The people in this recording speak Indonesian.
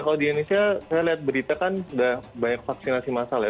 kalau di indonesia saya lihat berita kan sudah banyak vaksinasi masal ya